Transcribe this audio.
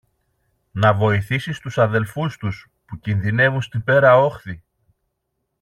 να βοηθήσεις τους αδελφούς τους, που κινδυνεύουν στην πέρα όχθη!